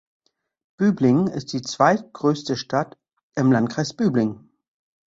Böblingen ist die zweitgrößte Stadt im Landkreis Böblingen.